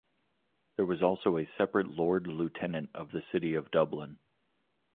There was also a separate Lord Lieutenant of the City of Dublin.